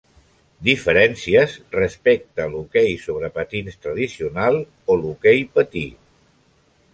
Diferències respecte a l'hoquei sobre patins tradicional o hoquei patí.